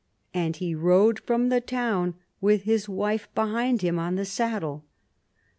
And he rode from the town with his wife behind him on the saddle.